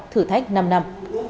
thử thách năm năm